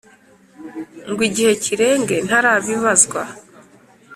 ngo igihe kirenge ntarabibazwa